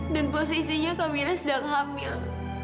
dan posisinya kamila sedang hamil